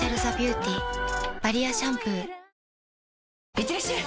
いってらっしゃい！